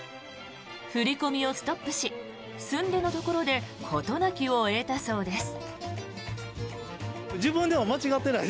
振り込みをストップしすんでのところで事なきを得たそうです。